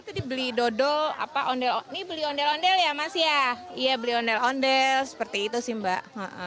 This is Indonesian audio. itu beli dodo ini beli ondel ondel ya mas ya iya beli ondel ondel seperti itu sih mbak